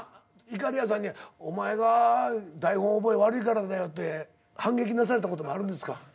いかりやさんに「お前が台本覚え悪いからだよ」って反撃なされたこともあるんですか？